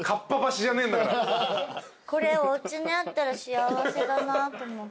これおうちにあったら幸せだなと思って。